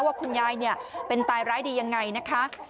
ว่าคุณยายเป็นตายร้ายดียังไงนะคะ